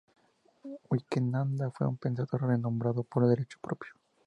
Vivekananda fue un pensador renombrado por derecho propio.